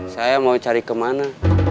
saya mau cari kemana